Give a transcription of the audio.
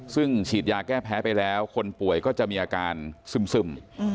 ซึ่งฉีดยาแก้แพ้ไปแล้วคนป่วยก็จะมีอาการซึม